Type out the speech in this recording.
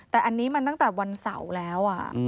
แต่อันนี้มันตั้งแต่วันเสาร์แล้ว